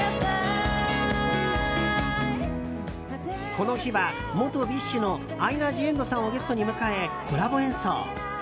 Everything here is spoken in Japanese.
この日は元ＢｉＳＨのアイナ・ジ・エンドさんをゲストに迎え、コラボ演奏。